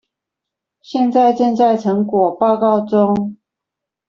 現在正在成果報告中